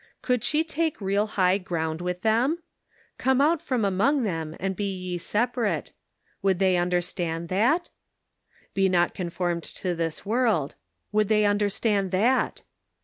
Could she take real high ground with them ?" Come out from among them and be ye separate." Would they under stand that? " Be not conformed to this world." Would they understand that?